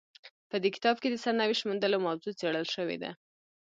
په دې کتاب کې د سرنوشت موندلو موضوع څیړل شوې ده.